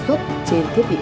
đã cài đặt trên thiết bị mới